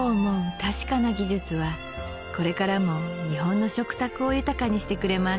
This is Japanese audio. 確かな技術はこれからも日本の食卓を豊かにしてくれます